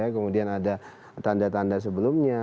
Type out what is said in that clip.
kemudian ada tanda tanda sebelumnya